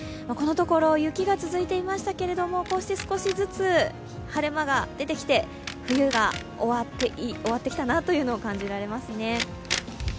このところ雪が続いていましたけれどもこうして少しずつ晴れ間が出てきて、冬が終わってきたなというのを感じられますね。